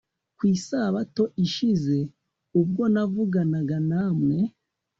Ku Isabato ishize ubwo navuganaga namwe